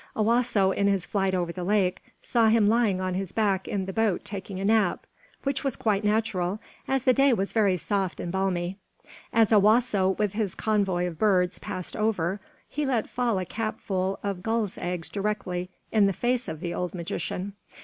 Owasso, in his flight over the lake, saw him lying on his back in the boat taking a nap, which was quite natural, as the day was very soft and balmy. As Owasso, with his convoy of birds, passed over, he let fall a capful of gulls' eggs directly in the face of the old magician.